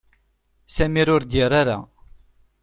Sami ur d-yerri ara.